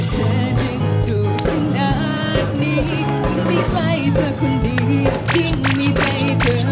ช่วยที่ที่ใหญ่